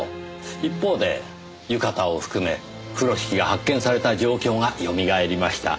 一方で浴衣を含め風呂敷が発見された状況がよみがえりました。